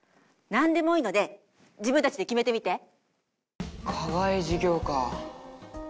なんでもいいので自分たちで決めてみて。